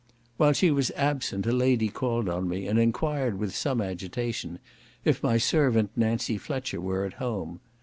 While she was absent a lady called on me, and enquired, with some agitation, if my servant, Nancy Fletcher, were at home.